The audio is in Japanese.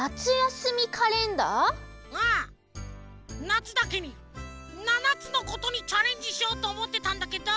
なつだけにななつのことにチャレンジしようとおもってたんだけど。